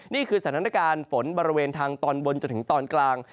นี่คือสถานการณ์ฝนบริเวณทางตอนบนจนถึงตอนกลาง